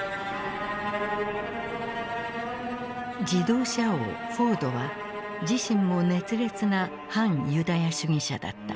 自動車王・フォードは自身も熱烈な反ユダヤ主義者だった。